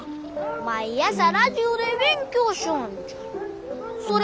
毎朝ラジオで勉強しょうるんじゃ。